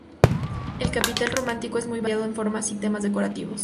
El capitel románico es muy variado en formas y temas decorativos.